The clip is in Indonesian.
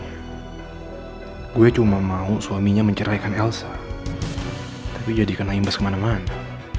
hai gue cuma mau suaminya menceraikan elsa tapi jadi kena imbas kemana mana